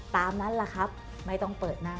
ตามนั้นแหละครับไม่ต้องเปิดหน้า